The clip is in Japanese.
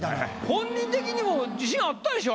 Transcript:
本人的にも自信あったでしょ？